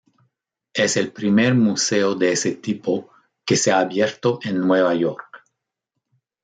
Es el primer museo de ese tipo que se ha abierto en Nueva York.